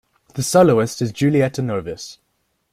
The soloist is Julietta Novis.